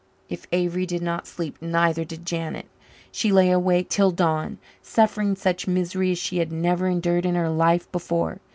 If Avery did not sleep, neither did Janet. She lay awake till dawn, suffering such misery as she had never endured in her life before.